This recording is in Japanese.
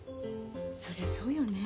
そりゃそうよねえ。